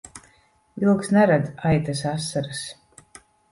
Vilks neredz aitas asaras.